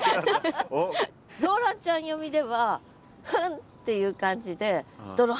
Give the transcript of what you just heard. ローランちゃん読みでは「フン！」っていう感じで泥跳ねたって。